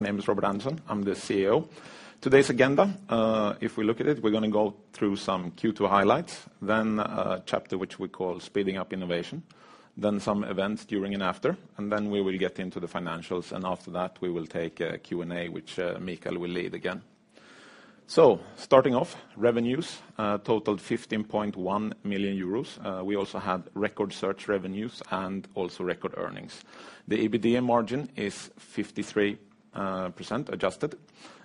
My name is Robert Andersson. I'm the CEO. Today's agenda, if we look at it, we're going to go through some Q2 highlights, then a chapter which we call speeding up innovation, then some events during and after, then we will get into the financials. After that, we will take a Q&A, which Mikael will lead again. Starting off, revenues totaled 15.1 million euros. We also have record search revenues and also record earnings. The EBITDA margin is 53% adjusted,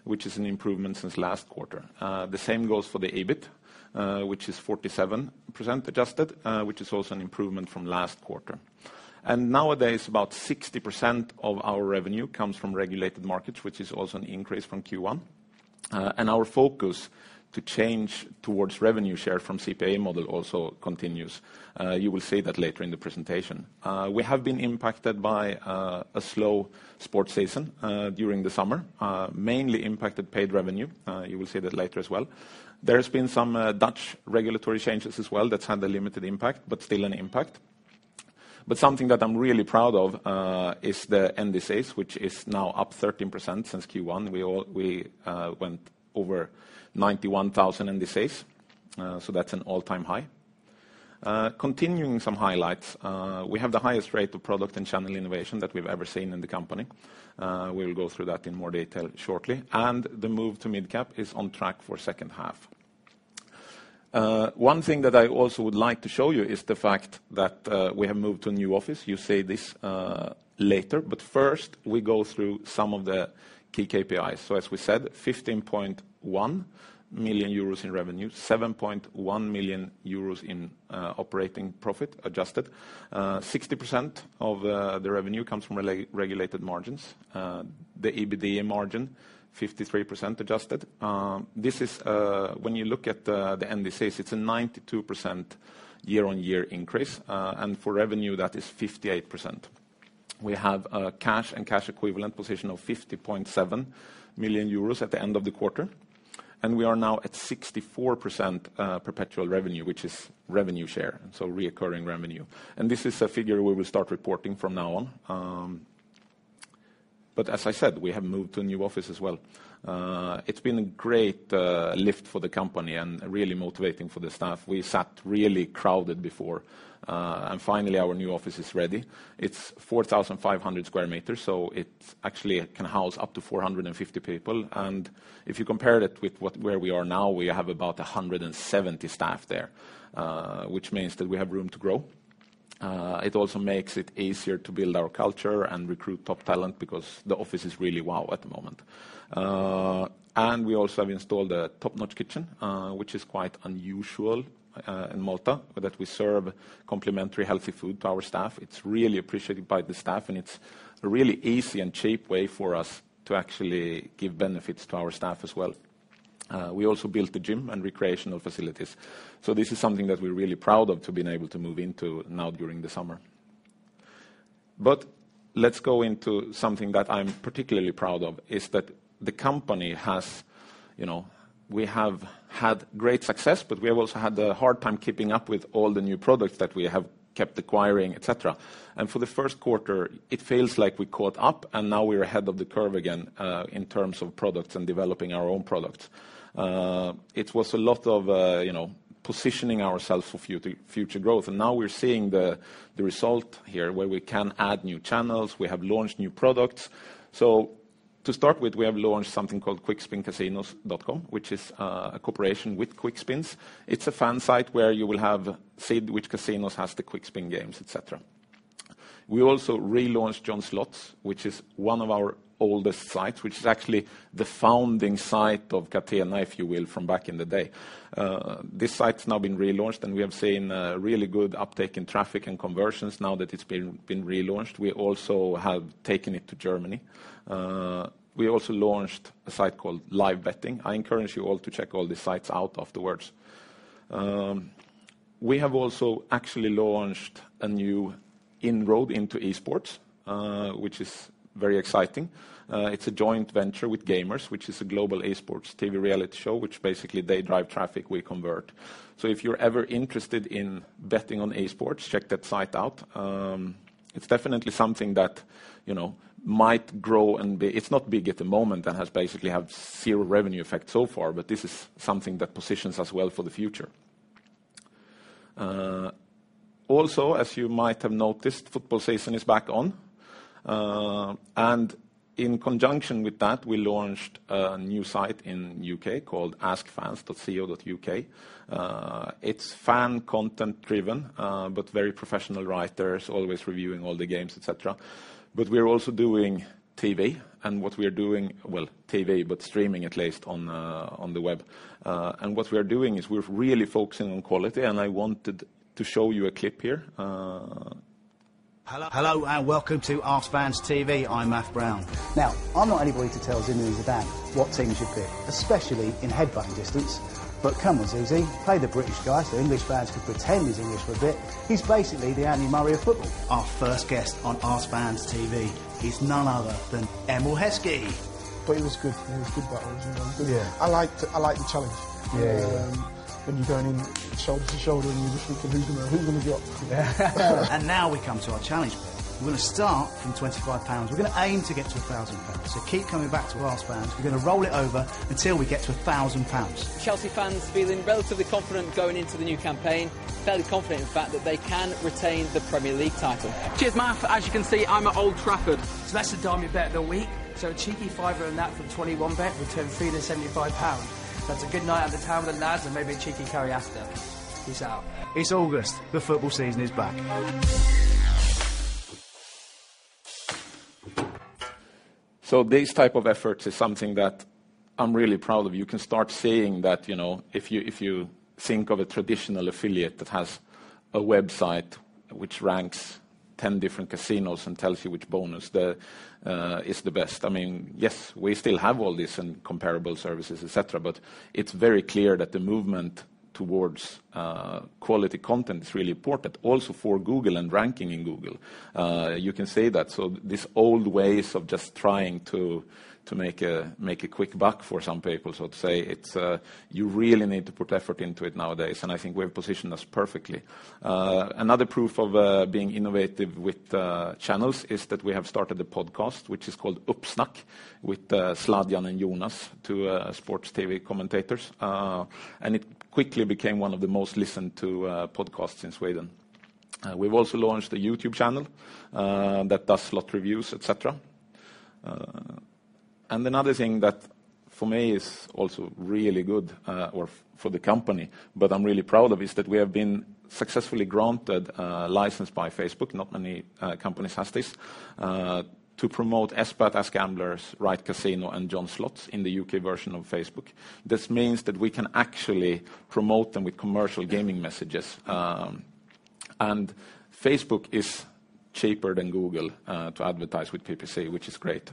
which is an improvement since last quarter. The same goes for the EBIT, which is 47% adjusted, which is also an improvement from last quarter. Nowadays about 60% of our revenue comes from regulated markets, which is also an increase from Q1. Our focus to change towards revenue share from CPA model also continues. You will see that later in the presentation. We have been impacted by a slow sports season during the summer, mainly impacted paid revenue. You will see that later as well. There's been some Dutch regulatory changes as well that's had a limited impact, but still an impact. Something that I'm really proud of is the NDCs, which is now up 13% since Q1. We went over 91,000 NDCs, so that's an all-time high. Continuing some highlights, we have the highest rate of product and channel innovation that we've ever seen in the company. We'll go through that in more detail shortly. The move to mid-cap is on track for second half. One thing that I also would like to show you is the fact that we have moved to a new office. You see this later, but first we go through some of the key KPIs. As we said, 15.1 million euros in revenue, 7.1 million euros in operating profit adjusted. 60% of the revenue comes from regulated markets. The EBITDA margin, 53% adjusted. This is when you look at the NDCs, it's a 92% year-on-year increase, and for revenue, that is 58%. We have a cash and cash equivalent position of 50.7 million euros at the end of the quarter. We are now at 64% perpetual revenue, which is revenue share, so recurring revenue. This is a figure we will start reporting from now on. As I said, we have moved to a new office as well. It's been a great lift for the company and really motivating for the staff. We sat really crowded before. Finally, our new office is ready. It's 4,500 square meters, so it actually can house up to 450 people. If you compare it with where we are now, we have about 170 staff there, which means that we have room to grow. It also makes it easier to build our culture and recruit top talent because the office is really wow at the moment. We also have installed a top-notch kitchen, which is quite unusual in Malta, that we serve complimentary healthy food to our staff. It's really appreciated by the staff, and it's a really easy and cheap way for us to actually give benefits to our staff as well. We also built a gym and recreational facilities. This is something that we're really proud of to being able to move into now during the summer. Let's go into something that I'm particularly proud of is that We have had great success, but we have also had a hard time keeping up with all the new products that we have kept acquiring, et cetera. For the first quarter, it feels like we caught up, and now we're ahead of the curve again in terms of products and developing our own product. It was a lot of positioning ourselves for future growth, and now we're seeing the result here where we can add new channels. We have launched new products. To start with, we have launched something called quickspincasinos.com, which is a cooperation with Quickspin. It's a fan site where you will have said which casinos has the Quickspin games, et cetera. We also relaunched JohnSlots, which is one of our oldest sites, which is actually the founding site of Catena, if you will, from back in the day. This site's now been relaunched, and we have seen a really good uptake in traffic and conversions now that it's been relaunched. We also have taken it to Germany. We also launched a site called Livebetting. I encourage you all to check all the sites out afterwards. We have also actually launched a new inroad into esports, which is very exciting. It's a joint venture with GAMURS, which is a global esports TV reality show, which basically they drive traffic, we convert. If you're ever interested in betting on esports, check that site out. It's definitely something that might grow. It's not big at the moment and has basically have zero revenue effect so far, this is something that positions us well for the future. Also, as you might have noticed, football season is back on. In conjunction with that, we launched a new site in U.K. called askfans.co.uk. It's fan content driven, very professional writers always reviewing all the games, et cetera. We're also doing TV, Well, TV, but streaming at least on the web. What we are doing is we're really focusing on quality, and I wanted to show you a clip here. Hello, and welcome to Ask Fans TV. I'm Matt Brown. I'm not anybody to tell Zinedine Zidane what team he should pick, especially in head-butting distance. Come on, Zizou, play the British guy so English fans can pretend he's English for a bit. He's basically the Andy Murray of football. Our first guest on Ask Fans TV is none other than Emile Heskey. It was good. It was good but I was, you know. Yeah. I liked the challenge. When you're going in shoulder to shoulder and you're just thinking, "Who's going to drop?" Now we come to our challenge board. We're going to start from 25 pounds. We're going to aim to get to 1,000 pounds. Keep coming back to AskFans. We're going to roll it over until we get to 1,000 pounds. Chelsea fans feeling relatively confident going into the new campaign, fairly confident in the fact that they can retain the Premier League title. Cheers, Matt. As you can see, I'm at Old Trafford. That's the dummy bet of the week. A cheeky fiver in that from 21Bet returned 375 pounds. That's a good night out on the town with the lads and maybe a cheeky. [inaudible] Peace out. It's August. The football season is back. These type of efforts is something that I'm really proud of. You can start saying that if you think of a traditional affiliate that has a website which ranks 10 different casinos and tells you which bonus is the best. Yes, we still have all this in comparable services, et cetera, but it's very clear that the movement towards quality content is really important also for Google and ranking in Google. You can say that. These old ways of just trying to make a quick buck for some people, so to say, you really need to put effort into it nowadays, and I think we have positioned us perfectly. Another proof of being innovative with channels is that we have started a podcast, which is called "Uppsnack" with Sladjan and Jonas, two sports TV commentators. It quickly became one of the most listened to podcasts in Sweden. We've also launched a YouTube channel that does slot reviews, et cetera. Another thing that for me is also really good for the company, but I'm really proud of, is that we have been successfully granted a license by Facebook, not many companies has this, to promote SBAT, AskGamblers, RightCasino and JohnSlots in the U.K. version of Facebook. This means that we can actually promote them with commercial gaming messages. Facebook is cheaper than Google to advertise with PPC, which is great.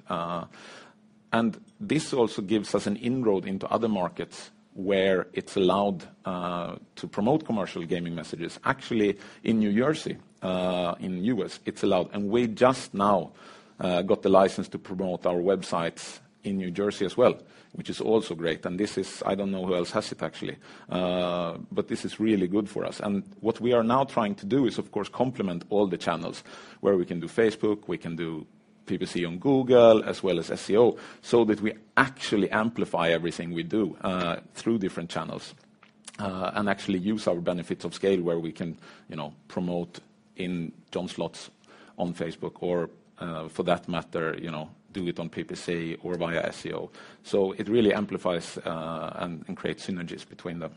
This also gives us an inroad into other markets where it's allowed to promote commercial gaming messages. Actually in New Jersey, in U.S., it's allowed. We just now got the license to promote our websites in New Jersey as well, which is also great. This is, I don't know who else has it actually. This is really good for us. What we are now trying to do is of course, complement all the channels where we can do Facebook, we can do PPC on Google as well as SEO, so that we actually amplify everything we do through different channels, and actually use our benefits of scale where we can promote in JohnSlots on Facebook or for that matter do it on PPC or via SEO. It really amplifies and creates synergies between them.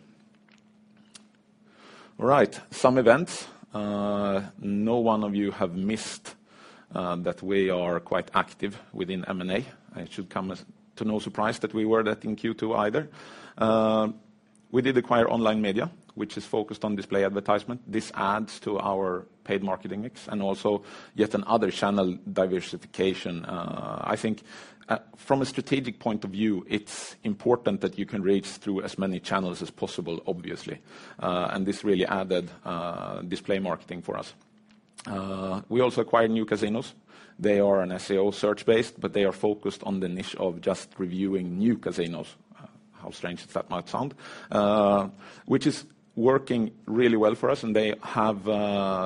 All right. Some events. No one of you have missed that we are quite active within M&A. It should come as to no surprise that we were that in Q2 either. We did acquire Online Media, which is focused on display advertisement. This adds to our paid marketing mix and also yet another channel diversification. I think from a strategic point of view, it's important that you can reach through as many channels as possible, obviously. This really added display marketing for us. We also acquired NewCasinos. They are an SEO search based, but they are focused on the niche of just reviewing new casinos, how strange that might sound. Which is working really well for us, and they have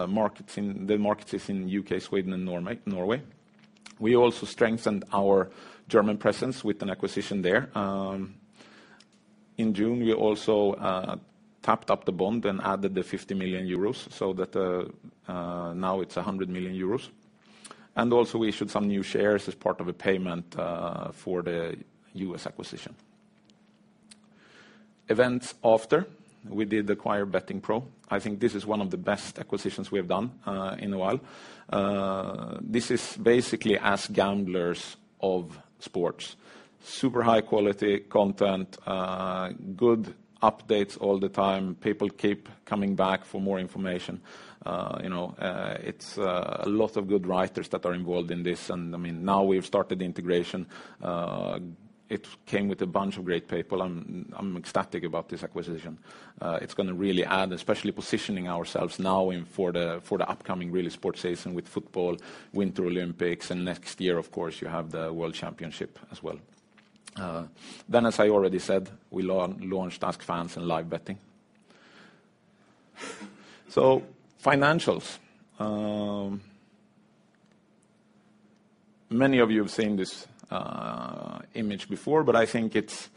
markets in the U.K., Sweden, and Norway. We also strengthened our German presence with an acquisition there. In June, we also tapped up the bond and added the 50 million euros, so that now it's 100 million euros. Also we issued some new shares as part of a payment for the U.S. acquisition. Events after we did acquire Bettingpro. I think this is one of the best acquisitions we have done in a while. This is basically AskGamblers of sports. Super high quality content, good updates all the time. People keep coming back for more information. It's a lot of good writers that are involved in this. Now we've started the integration. It came with a bunch of great people. I'm ecstatic about this acquisition. It's going to really add, especially positioning ourselves now for the upcoming really sports season with football, Winter Olympics, and next year of course you have the World Cup as well. As I already said, we launched AskFans and Livebetting. Financials. Many of you have seen this image before, I think it's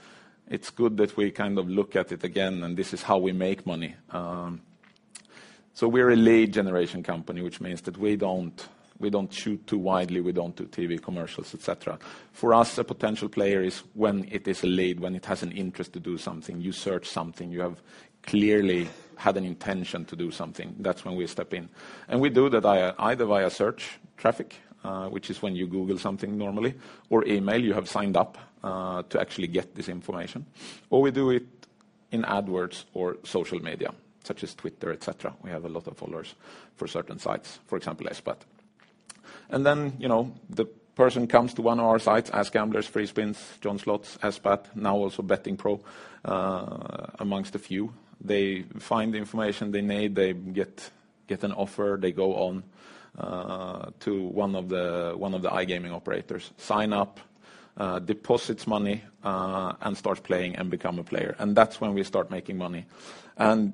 good that we kind of look at it again. This is how we make money. We're a lead generation company, which means that we don't shoot too widely, we don't do TV commercials, et cetera. For us, a potential player is when it is a lead, when it has an interest to do something. You search something, you have clearly had an intention to do something. That's when we step in. We do that either via search traffic, which is when you Google something normally, or email, you have signed up to actually get this information. We do it in AdWords or social media, such as Twitter, et cetera. We have a lot of followers for certain sites, for example, SBAT. Then the person comes to one of our sites, AskGamblers, Free Spins, JohnSlots, SBAT, now also Bettingpro.com amongst a few. They find the information they need. They get an offer, they go on to one of the iGaming operators, sign up, deposit money, and start playing and become a player. That's when we start making money.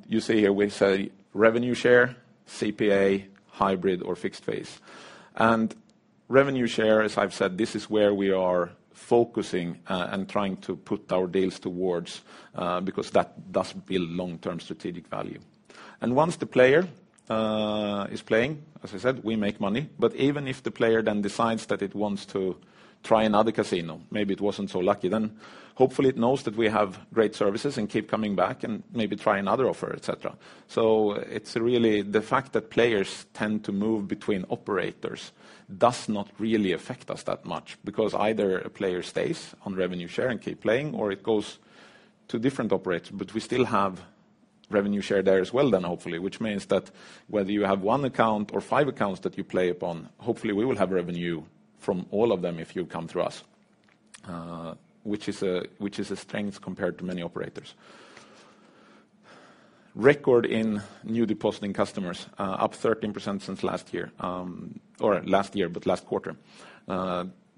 You see here we say revenue share, CPA, hybrid, or fixed fee. Revenue share, as I've said, this is where we are focusing and trying to put our deals towards because that does build long-term strategic value. Once the player is playing, as I said, we make money, but even if the player then decides that it wants to try another casino, maybe it wasn't so lucky, then hopefully it knows that we have great services and keep coming back and maybe try another offer, et cetera. It's really the fact that players tend to move between operators does not really affect us that much because either a player stays on revenue share and keep playing, or it goes to different operators, but we still have revenue share there as well then hopefully, which means that whether you have one account or five accounts that you play upon, hopefully we will have revenue from all of them if you come through us, which is a strength compared to many operators. Record in New Depositing Customers, up 13% since last year. Last year, but last quarter.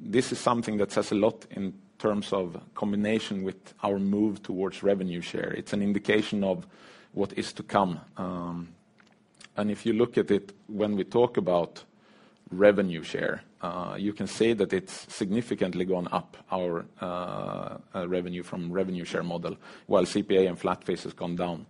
This is something that says a lot in terms of combination with our move towards revenue share. It's an indication of what is to come. If you look at it when we talk about revenue share, you can say that it's significantly gone up our revenue from revenue share model while CPA and flat fee has gone down.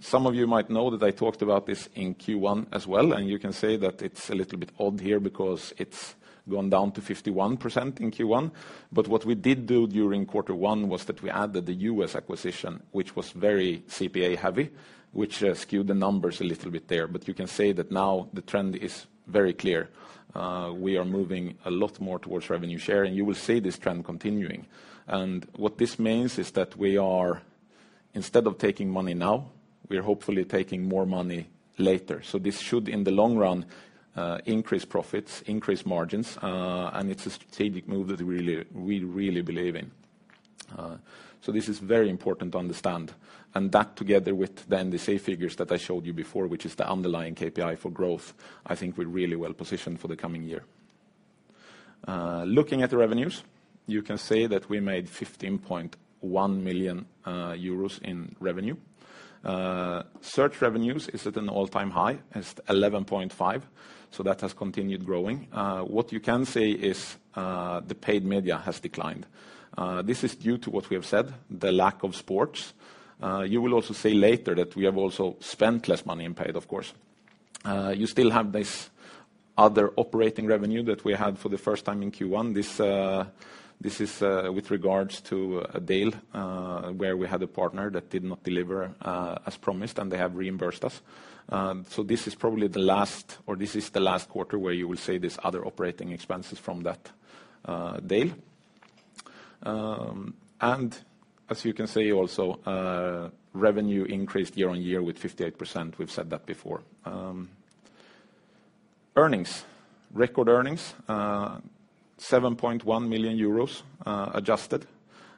Some of you might know that I talked about this in Q1 as well, you can say that it's a little bit odd here because it's gone down to 51% in Q1. What we did do during quarter one was that we added the U.S. acquisition, which was very CPA heavy, which skewed the numbers a little bit there. You can say that now the trend is very clear. We are moving a lot more towards revenue share, you will see this trend continuing. What this means is that we are, instead of taking money now, we are hopefully taking more money later. This should, in the long run, increase profits, increase margins, and it is a strategic move that we really believe in. This is very important to understand. That together with then the sales figures that I showed you before, which is the underlying KPI for growth, I think we are really well positioned for the coming year. Looking at the revenues, you can say that we made 15.1 million euros in revenue. Search revenues is at an all-time high. It is 11.5, so that has continued growing. What you can say is the paid media has declined. This is due to what we have said, the lack of sports. You will also see later that we have also spent less money in paid, of course. You still have this other operating revenue that we had for the first time in Q1. This is with regards to a deal where we had a partner that did not deliver as promised, and they have reimbursed us. This is probably the last, or this is the last quarter where you will see this other operating expenses from that deal. As you can see also, revenue increased year-on-year with 58%. We have said that before. Earnings, record earnings, 7.1 million euros adjusted.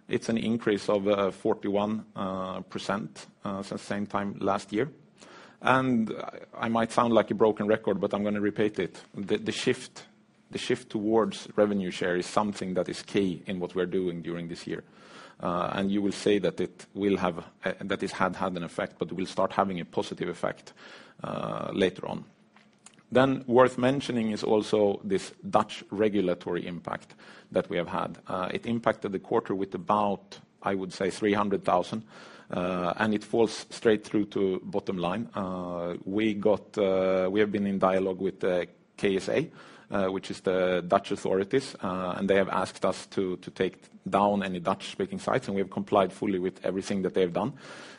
It is an increase of 41% since same time last year. I might sound like a broken record, but I am going to repeat it. The shift towards revenue share is something that is key in what we are doing during this year. You will see that it had had an effect, but will start having a positive effect later on. Worth mentioning is also this Dutch regulatory impact that we have had. It impacted the quarter with about, I would say, 300,000, and it falls straight through to bottom line. We have been in dialogue with the KSA, which is the Dutch authorities, and they have asked us to take down any Dutch-speaking sites, and we have complied fully with everything that they have done,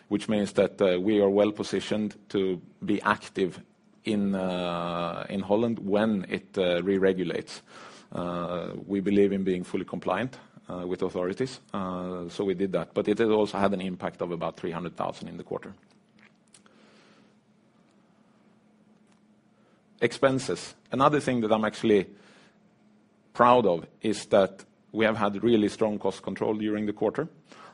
which means that we are well-positioned to be active in Holland when it re-regulates. We believe in being fully compliant with authorities, so we did that. But it has also had an impact of about 300,000 in the quarter. Expenses. Another thing that I am actually proud of is that we have had really strong cost control during the quarter.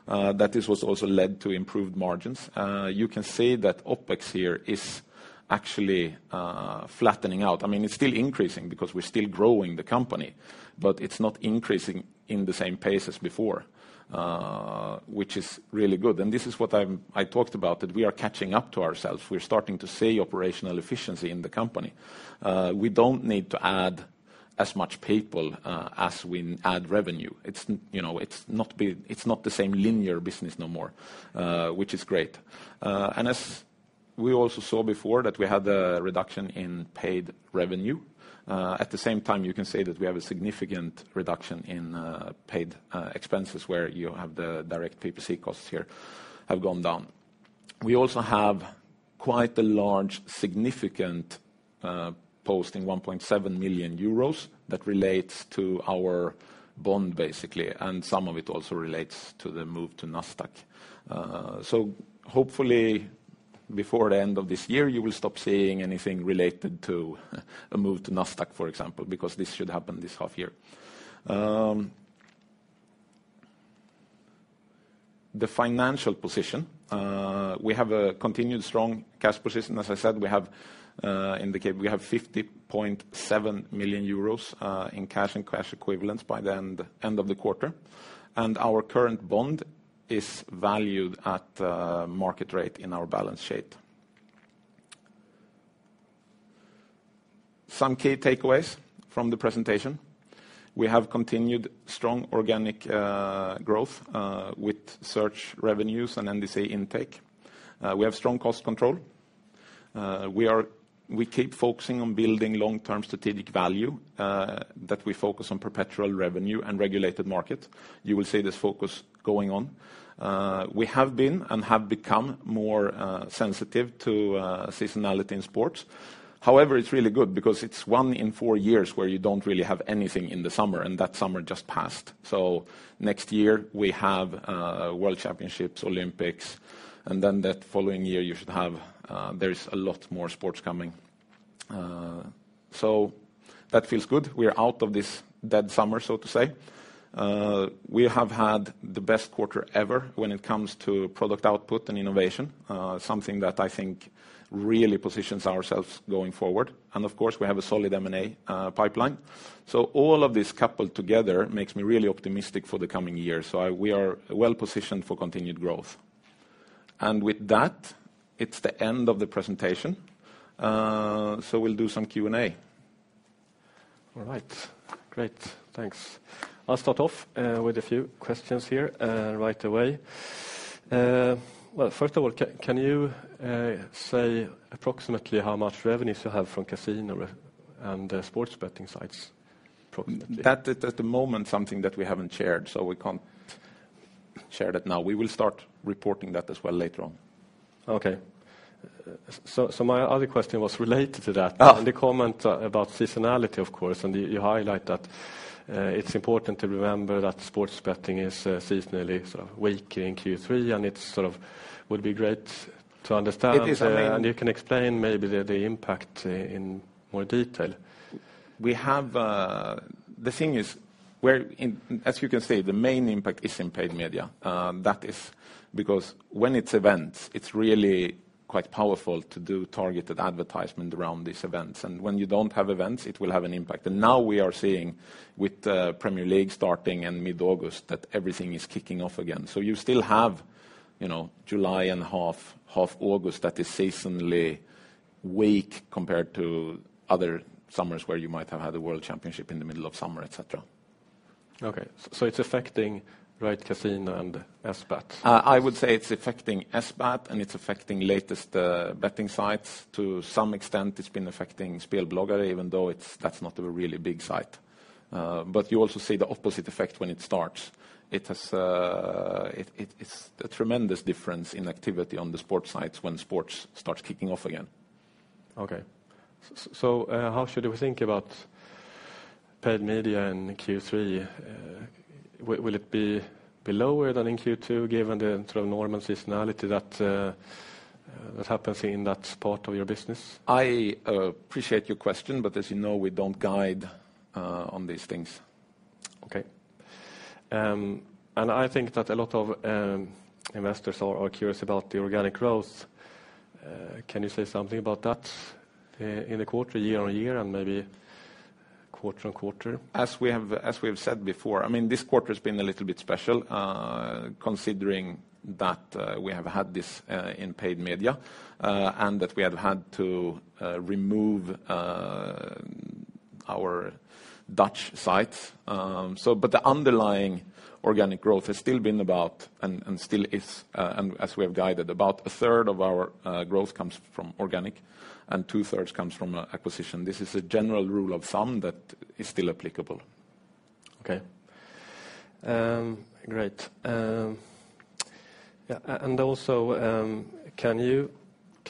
This was also led to improved margins. You can see that OpEx here is actually flattening out. It is still increasing because we are still growing the company, but it is not increasing in the same pace as before, which is really good. This is what I talked about, that we are catching up to ourselves. We are starting to see operational efficiency in the company. We do not need to add as much people as we add revenue. It is not the same linear business no more, which is great. As we also saw before that we had a reduction in paid revenue. At the same time, you can say that we have a significant reduction in paid expenses where you have the direct PPC costs here have gone down. We also have quite a large significant post in 1.7 million euros that relates to our bond, basically, and some of it also relates to the move to Nasdaq. Hopefully, before the end of this year, you will stop seeing anything related to a move to Nasdaq, for example, because this should happen this half year. The financial position. We have a continued strong cash position. As I said, we have indicated we have 50.7 million euros in cash and cash equivalents by the end of the quarter, and our current bond is valued at market rate in our balance sheet. Some key takeaways from the presentation. We have continued strong organic growth with search revenues and NDC intake. We have strong cost control. We keep focusing on building long-term strategic value, that we focus on perpetual revenue and regulated market. You will see this focus going on. We have been and have become more sensitive to seasonality in sports. However, it's really good because it's one in four years where you don't really have anything in the summer, and that summer just passed. Next year we have world championships, Olympics, and then that following year there is a lot more sports coming. That feels good. We are out of this dead summer, so to say. We have had the best quarter ever when it comes to product output and innovation. Something that I think really positions ourselves going forward. Of course we have a solid M&A pipeline. All of this coupled together makes me really optimistic for the coming year. We are well-positioned for continued growth. With that, it's the end of the presentation. We'll do some Q&A. All right. Great. Thanks. I'll start off with a few questions here right away. Well, first of all, can you say approximately how much revenues you have from casino and sports betting sites, approximately? That at the moment something that we haven't shared, we can't share that now. We will start reporting that as well later on. Okay. my other question was related to that. the comment about seasonality, of course, and you highlight that it's important to remember that sports betting is seasonally sort of weaker in Q3, and it sort of would be great to understand. It is our main. you can explain maybe the impact in more detail. The thing is, as you can say, the main impact is in paid media. That is because when it is events, it is really quite powerful to do targeted advertisement around these events. When you do not have events, it will have an impact. Now we are seeing with the Premier League starting in mid-August that everything is kicking off again. You still have July and half August that is seasonally weak compared to other summers where you might have had a world championship in the middle of summer, et cetera. Okay, it is affecting RightCasino and SBAT. I would say it is affecting SBAT and it is affecting LatestBettingSites.co.uk. To some extent, it has been affecting Spelbloggare.se even though that is not a really big site. You also see the opposite effect when it starts. It is a tremendous difference in activity on the sports sites when sports starts kicking off again. Okay. How should we think about paid media in Q3? Will it be below than in Q2 given the sort of normal seasonality that happens in that part of your business? I appreciate your question, as you know, we don't guide on these things. Okay. I think that a lot of investors are curious about the organic growth. Can you say something about that in the quarter, year-over-year, and maybe quarter-over-quarter? As we've said before, this quarter's been a little bit special, considering that we have had this in paid media, that we have had to remove our Dutch sites. The underlying organic growth has still been about, and still is, as we have guided, about a third of our growth comes from organic, two thirds comes from acquisition. This is a general rule of thumb that is still applicable. Okay. Great. Also, can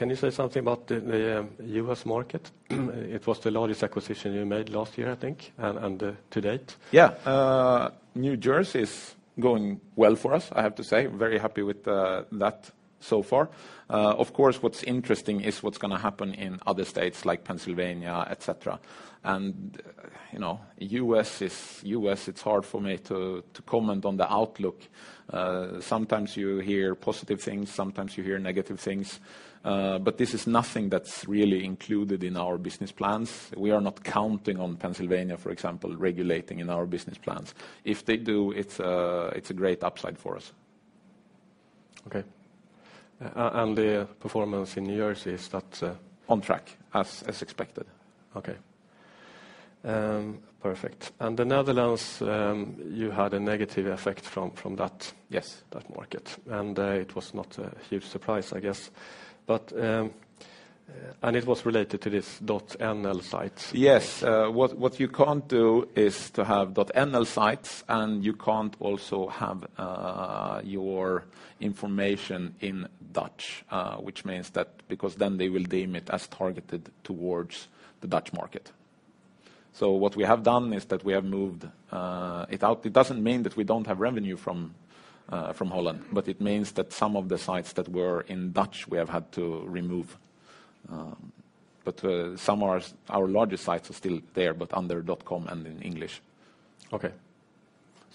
you say something about the U.S. market? It was the largest acquisition you made last year, I think, and to date. Yeah. New Jersey is going well for us, I have to say. Very happy with that so far. Of course, what's interesting is what's going to happen in other states like Pennsylvania, et cetera. U.S., it's hard for me to comment on the outlook. Sometimes you hear positive things, sometimes you hear negative things. This is nothing that's really included in our business plans. We are not counting on Pennsylvania, for example, regulating in our business plans. If they do, it's a great upside for us. Okay. The performance in New Jersey is that- On track, as expected. Okay. Perfect. The Netherlands, you had a negative effect from that- Yes that market. It was not a huge surprise, I guess. It was related to this .nl site. Yes. What you can't do is to have .nl sites, and you can't also have your information in Dutch, which means that because then they will deem it as targeted towards the Dutch market. What we have done is that we have moved it out. It doesn't mean that we don't have revenue from Holland, but it means that some of the sites that were in Dutch, we have had to remove. Some of our largest sites are still there, but under .com and in English. Okay.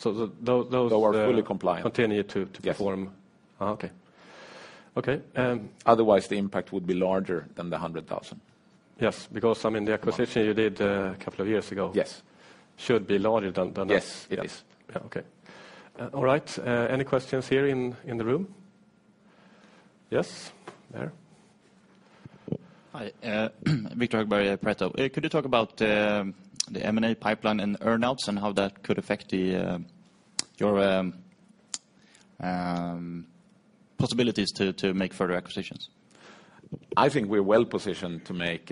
They are fully compliant continue to perform? Yes. Okay. Otherwise, the impact would be larger than the 100,000. Yes, because the acquisition you did a couple of years ago. Yes should be larger than this. Yes, it is. Okay. All right. Any questions here in the room? Yes. There. Hi. Victor Hugoberg, Pareto. Could you talk about the M&A pipeline and earn-outs, and how that could affect your possibilities to make further acquisitions? I think we're well-positioned to make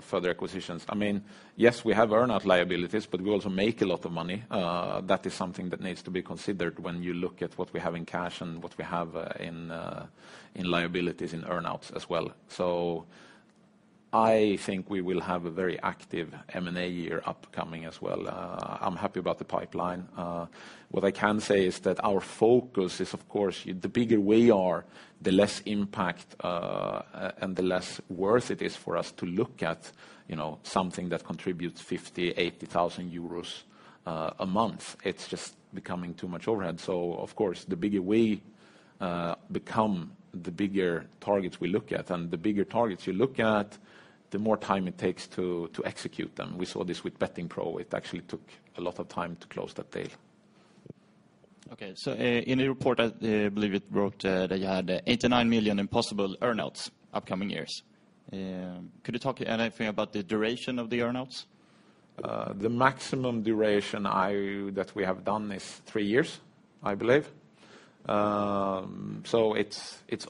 further acquisitions. Yes, we have earn-out liabilities, but we also make a lot of money. That is something that needs to be considered when you look at what we have in cash and what we have in liabilities in earn-outs as well. I think we will have a very active M&A year upcoming as well. I'm happy about the pipeline. What I can say is that our focus is, of course, the bigger we are, the less impact, and the less worth it is for us to look at something that contributes 50,000, 80,000 euros a month. It's just becoming too much overhead. Of course, the bigger we become, the bigger targets we look at. The bigger targets you look at, the more time it takes to execute them. We saw this with bettingpro.com. It actually took a lot of time to close that deal. Okay. In your report, I believe it wrote that you had 89 million in possible earn-outs upcoming years. Could you talk anything about the duration of the earn-outs? The maximum duration that we have done is three years, I believe. It's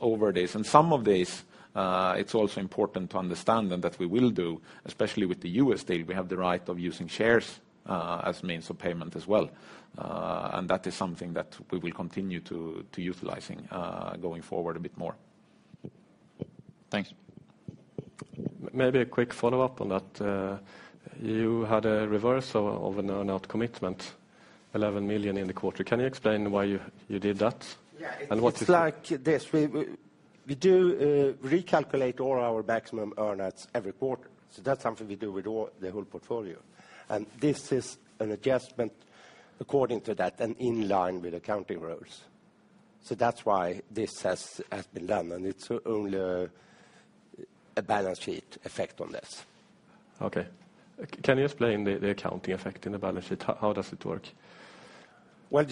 over this. Some of this, it's also important to understand, and that we will do, especially with the U.S. deal, we have the right of using shares as means of payment as well. That is something that we will continue to utilizing, going forward a bit more. Thanks. Maybe a quick follow-up on that. You had a reversal of an earn-out commitment, 11 million in the quarter. Can you explain why you did that? Yeah. What you think- It's like this. We do recalculate all our maximum earn-outs every quarter. That's something we do with the whole portfolio. This is an adjustment according to that and in line with accounting rules. That's why this has been done, and it's only a balance sheet effect on this. Okay. Can you explain the accounting effect in the balance sheet? How does it work? Well,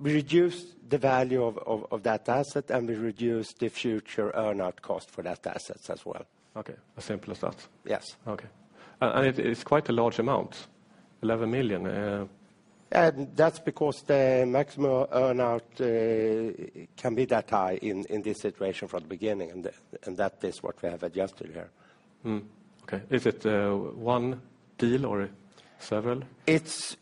we reduce the value of that asset, and we reduce the future earn-out cost for that asset as well. Okay. As simple as that? Yes. Okay. It is quite a large amount, 11 million. That's because the maximum earn-out can be that high in this situation from the beginning, and that is what we have adjusted here. Okay. Is it one deal or several? Still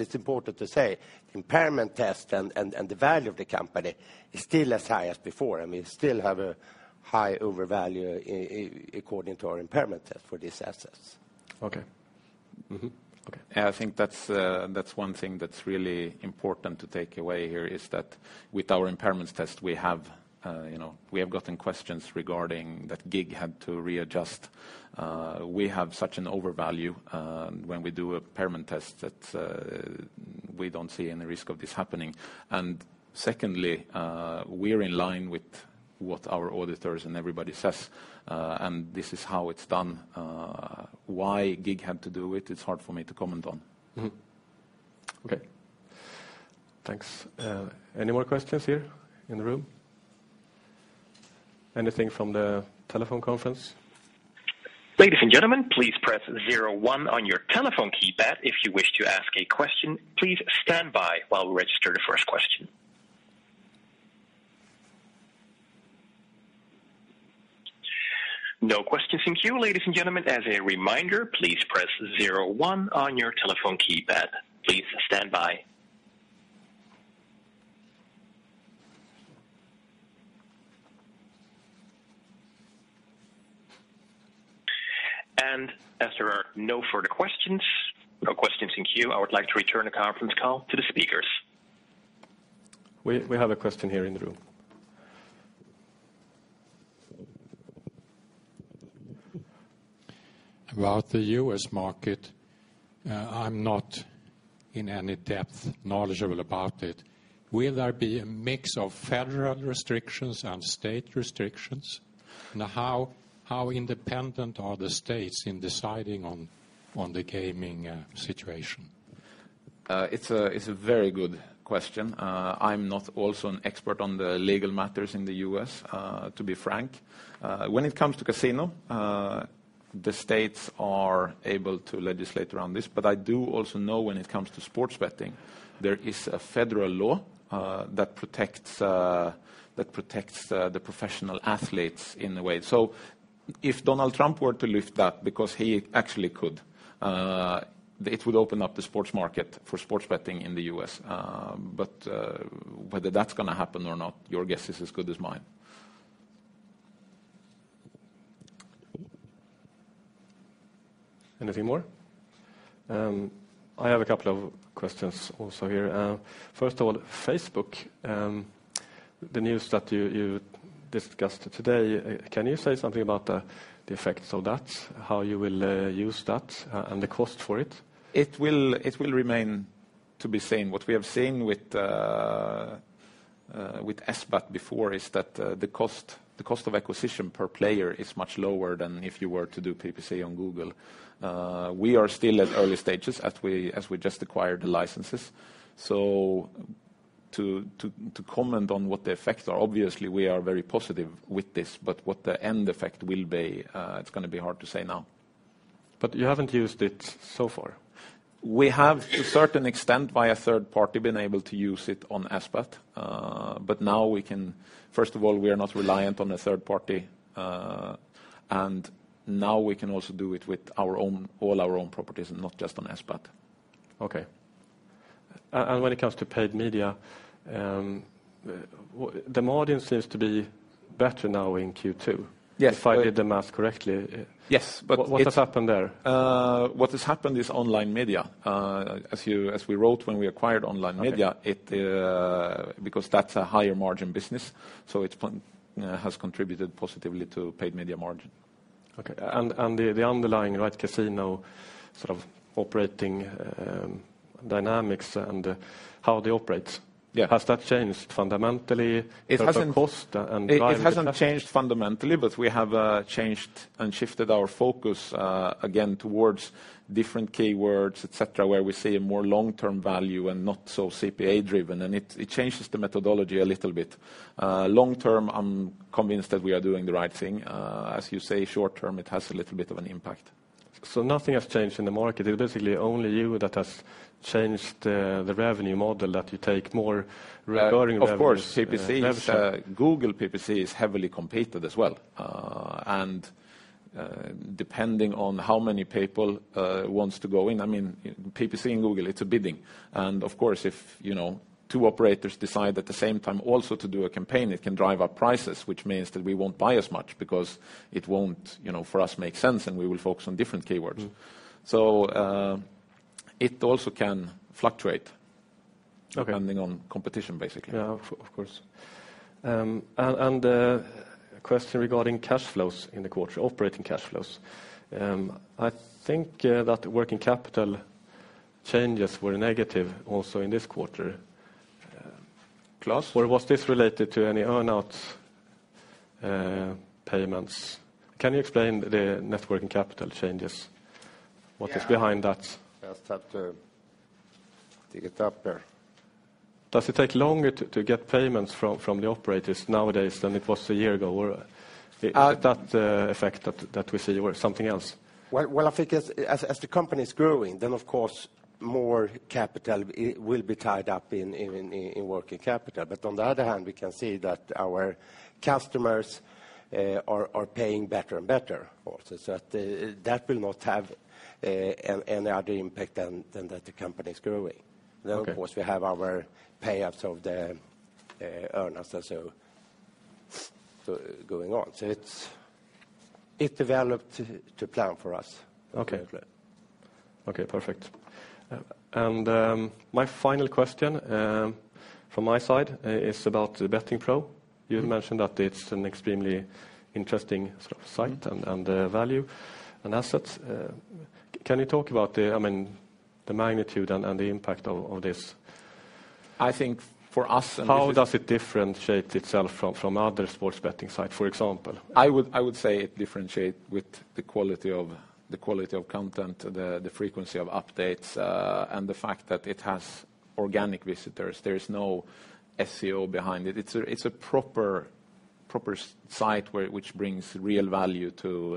it's important to say impairment test and the value of the company is still as high as before, and we still have a high overvalue according to our impairment test for these assets. Okay. Okay. I think that's one thing that's really important to take away here, is that with our impairment test, we have gotten questions regarding that GiG had to readjust. We have such an overvalue when we do impairment test that we don't see any risk of this happening. Secondly, we're in line with what our auditors and everybody says, and this is how it's done. Why GiG had to do it's hard for me to comment on. Okay. Thanks. Any more questions here in the room? Anything from the telephone conference? Ladies and gentlemen, please press 01 on your telephone keypad if you wish to ask a question. Please stand by while we register the first question. No questions in queue. Ladies and gentlemen, as a reminder, please press 01 on your telephone keypad. Please stand by. As there are no further questions, no questions in queue, I would like to return the conference call to the speakers. We have a question here in the room. About the U.S. market, I'm not in any depth knowledgeable about it. Will there be a mix of federal restrictions and state restrictions? How independent are the states in deciding on the gaming situation? It's a very good question. I'm not also an expert on the legal matters in the U.S., to be frank. When it comes to casino, the states are able to legislate around this, I do also know when it comes to sports betting, there is a federal law that protects the professional athletes in a way. If Donald Trump were to lift that, because he actually could, it would open up the sports market for sports betting in the U.S. Whether that's going to happen or not, your guess is as good as mine. Anything more? I have a couple of questions also here. First of all, Facebook, the news that you discussed today, can you say something about the effects of that, how you will use that and the cost for it? It will remain to be seen. What we have seen with SBAT before is that the cost of acquisition per player is much lower than if you were to do PPC on Google. We are still at early stages as we just acquired the licenses. To comment on what the effects are, obviously, we are very positive with this, but what the end effect will be, it's going to be hard to say now. You haven't used it so far? We have, to a certain extent, via third party, been able to use it on SBAT. Now, first of all, we are not reliant on a third party, and now we can also do it with all our own properties, and not just on SBAT. Okay. When it comes to paid media, the margin seems to be better now in Q2. Yes. If I did the math correctly. Yes. What has happened there? What has happened is Online Media. As we wrote when we acquired Online Media. Okay because that's a higher margin business, so it has contributed positively to paid media margin. Okay. The underlying casino sort of operating dynamics and how they operate. Yeah has that changed fundamentally? It hasn't. In terms of cost and driving cash. It hasn't changed fundamentally, but we have changed and shifted our focus again towards different keywords, et cetera, where we see a more long-term value and not so CPA driven, and it changes the methodology a little bit. Long-term, I'm convinced that we are doing the right thing. As you say, short-term, it has a little bit of an impact. Nothing has changed in the market. It is basically only you that has changed the revenue model that you take more recurring revenue. Of course, PPC. Revenue share. Google PPC is heavily competed as well. Depending on how many people want to go in, PPC in Google, it's a bidding. Of course, if two operators decide at the same time also to do a campaign, it can drive up prices, which means that we won't buy as much because it won't, for us, make sense, and we will focus on different keywords. It also can fluctuate. Okay depending on competition, basically. Yeah, of course. A question regarding cash flows in the quarter, operating cash flows. I think that working capital changes were negative also in this quarter. Claes? Was this related to any earn out payments? Can you explain the net working capital changes? Yeah. What is behind that? Just have to dig it up there. Does it take longer to get payments from the operators nowadays than it was a year ago? Is it that effect that we see, or something else? Well, I think as the company's growing, then of course, more capital will be tied up in working capital. On the other hand, we can see that our customers are paying better and better also. That will not have any other impact than that the company is growing. Okay. Of course, we have our payouts of the earn-outs also going on. It developed to plan for us. Okay. Right. Okay, perfect. My final question from my side is about bettingpro.com. You had mentioned that it's an extremely interesting sort of site and value and assets. Can you talk about the magnitude and the impact of this? I think for us, and this is- How does it differentiate itself from other sports betting sites, for example? I would say it differentiate with the quality of content, the frequency of updates, and the fact that it has organic visitors. There is no SEO behind it. It's a proper site which brings real value to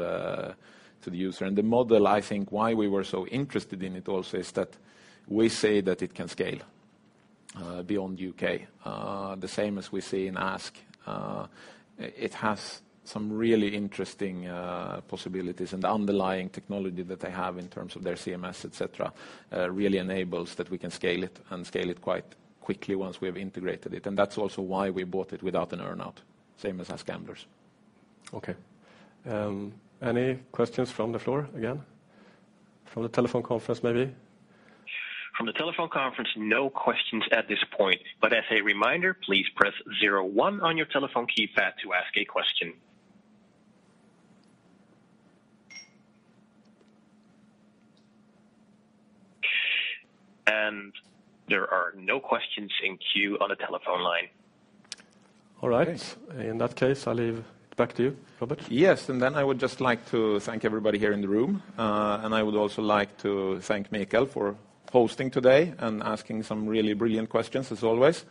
the user. The model, I think, why we were so interested in it also is that we say that it can scale beyond U.K. The same as we see in Ask. It has some really interesting possibilities, the underlying technology that they have in terms of their CMS, et cetera, really enables that we can scale it and scale it quite quickly once we have integrated it. That's also why we bought it without an earn out, same as AskGamblers. Okay. Any questions from the floor again? From the telephone conference, maybe? From the telephone conference, no questions at this point. As a reminder, please press 01 on your telephone keypad to ask a question. There are no questions in queue on the telephone line. All right. Okay. In that case, I leave it back to you, Robert. Yes. Then I would just like to thank everybody here in the room. I would also like to thank Mikael for hosting today and asking some really brilliant questions as always.